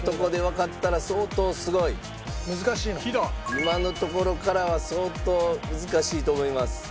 今のところからは相当難しいと思います。